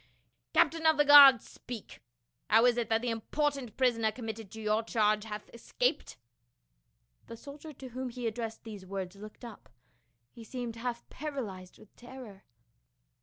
Captain of the guard, speak. How is it that the important prisoner committed to your charge hath escaped ?" The soldier to whom he addressed these words looked up ; he seemed half paralyzed with terror.